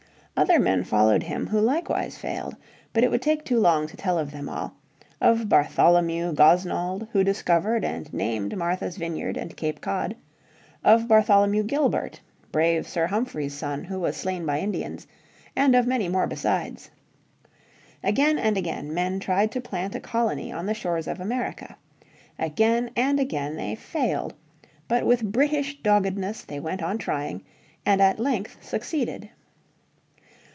Other men followed him who likewise failed. But it would take too long to tell of them all, of Bartholomew Gosnold who discovered and named Martha's Vineyard and Cape Cod; of Bartholomew Gilbert, brave Sir Humphrey's son, who was slain by Indians, and of many more besides. Again and again men tried to plant a colony on the shores of America. Again and again they failed. But with British doggedness they went on trying, and at length succeeded.